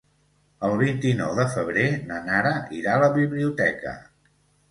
El vint-i-nou de febrer na Nara irà a la biblioteca.